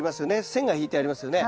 線が引いてありますよね。